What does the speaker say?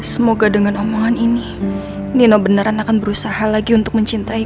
semoga dengan omongan ini nino beneran akan berusaha lagi untuk mencintai